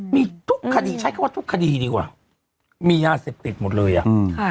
มีทุกคดีใช้คำว่าทุกคดีดีกว่ามียาเสพติดหมดเลยอ่ะอืมค่ะ